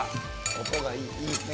音がいいですね。